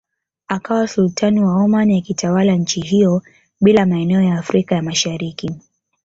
Akawa Sultani wa Oman akitawala nchi hiyo bila maeneo ya Afrika ya Mashariki